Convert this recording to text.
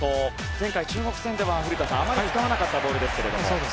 前回の中国戦ではあまり使わなかったボールですが。